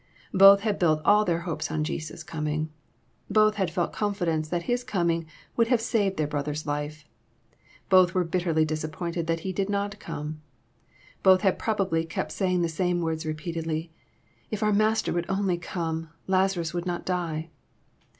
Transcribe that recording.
Both had built all their hopes on Jesus coming./ Both had felt confidence that Hiin^ofiiing would have saved their brother's life. Both were'bitterly disappointed that He did not come. Both had probably kept saying the same words repeatedly, *< If our Master would only come, Lazarus would not die."